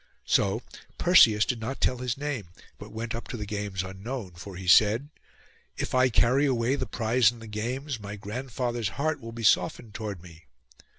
So Perseus did not tell his name, but went up to the games unknown; for he said, 'If I carry away the prize in the games, my grandfather's heart will be softened toward me.